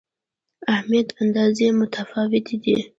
اهمیت اندازې متفاوتې دي.